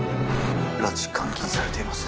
拉致監禁されています。